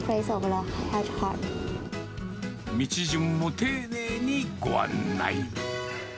道順も丁寧にご案内。